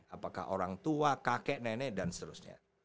apakah orang tua kakek nenek dan seterusnya